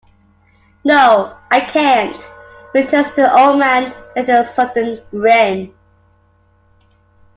"No, I can't," returns the old man with a sudden grin.